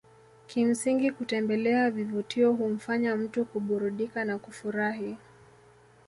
Kimsingi kutembelea vivutio humfanya mtu kuburudika na kufurahi